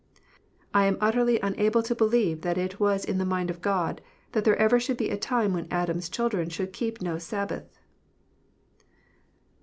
I am utterly unable to believe that it was in the mind of God that there ever should be a time when Adam s children should keep no Sabbath.